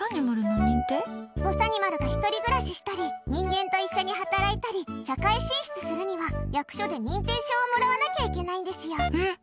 ぼさにまるが１人暮らししたり人間と一緒に働いたり社会進出するには役所で認定証をもらわなきゃいけないんですよ。